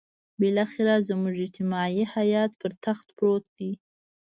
بالاخره زموږ اجتماعي حيات پر تخت پروت دی.